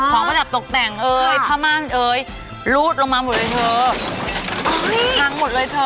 ของประจับตกแต่งผ้ามั่นเลยรูดลงมาหมดเลยเธอ